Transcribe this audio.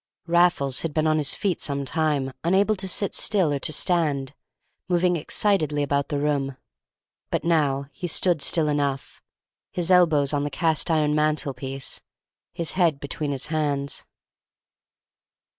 Raffles had been on his feet some time, unable to sit still or to stand, moving excitedly about the room. But now he stood still enough, his elbows on the cast iron mantelpiece, his head between his hands.